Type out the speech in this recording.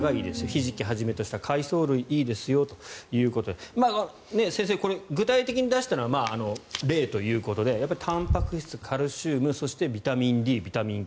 ひじきをはじめとした海藻類がいいですよということで先生、これ具体的に出したのは例ということでたんぱく質、カルシウムそしてビタミンＤ、ビタミンＫ。